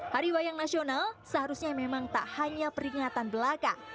hari wayang nasional seharusnya memang tak hanya peringatan belaka